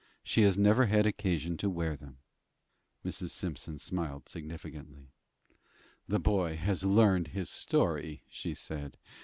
She has never had occasion to wear them." Mrs. Simpson smiled significantly. "The boy has learned his story," she said.